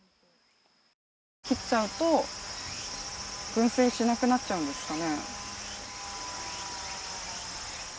切っちゃうと群生しなくなっちゃうんですかね